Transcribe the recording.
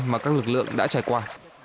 mà các lực lượng đã trải qua